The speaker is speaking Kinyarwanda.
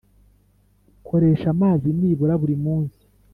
koresha amazi nibura buri munsi